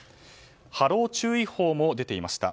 波浪注意報も出ていました。